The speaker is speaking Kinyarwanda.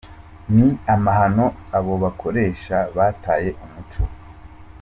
Ni amahano, abo bakoresha bataye umuco.